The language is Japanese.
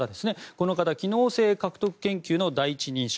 この方、機能性獲得研究の第一人者。